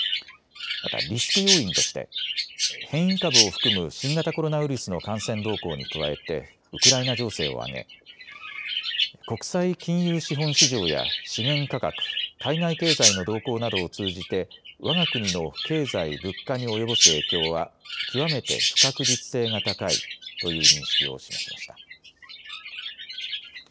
またリスク要因として変異株を含む新型コロナウイルスの感染動向に加えてウクライナ情勢を挙げ国際金融資本市場や資源価格、海外経済の動向などを通じてわが国の経済・物価に及ぼす影響は極めて不確実性が高いという認識を示しました。